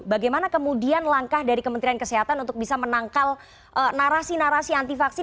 bagaimana kemudian langkah dari kementerian kesehatan untuk bisa menangkal narasi nasional